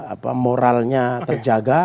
apa moralnya terjaga